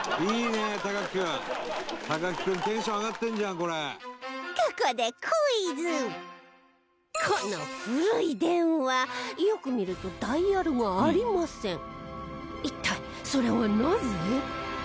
ここで、クイズこの古い電話、よく見るとダイヤルがありません一体、それはなぜ？